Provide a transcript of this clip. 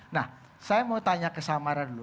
nah saya mau tanya kesamaran dulu